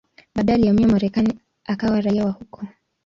Baadaye alihamia Marekani akawa raia wa huko.